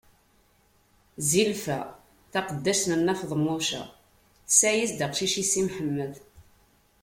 Zilfa, taqeddact n Nna Feḍmuca, tesɛa-as-d aqcic i Si Mḥemmed.